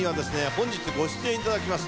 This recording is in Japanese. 本日ご出演いただきます